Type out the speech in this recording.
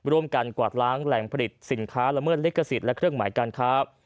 ร่วมกันกวาดล้างแหล่งผลิตสินค้าละเมิดลิขสิทธิ์และเครื่องหมายการค้า